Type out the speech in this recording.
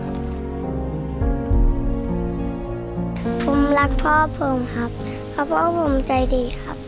ผมรักพ่อผมครับเพราะพ่อผมใจดีครับ